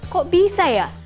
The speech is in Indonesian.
kok bisa ya